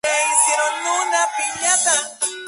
Su último club fue Estudiantes de San Luis.